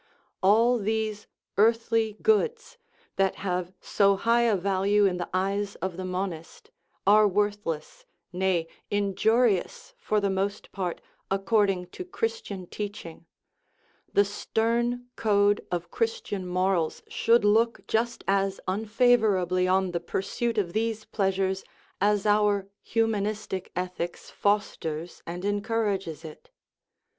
All these " earthly goods," that have so high a value in the eyes of the monist, are worthless nay, injurious for the most part, according to Christian teaching ; the stern code of Christian morals should look just as un favorably on the pursuit of these pleasures as our hu manistic ethics fosters and encourages it.